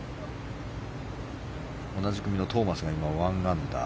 同じ組のトーマスが１アンダー。